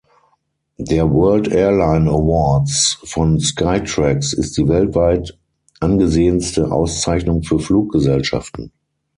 Der World Airline Awards von Skytrax ist die weltweit angesehenste Auszeichnung für Fluggesellschaften.